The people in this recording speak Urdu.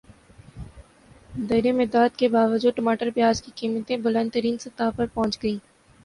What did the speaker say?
درمدات کے باوجود ٹماٹر پیاز کی قیمتیں بلند ترین سطح پر پہنچ گئیں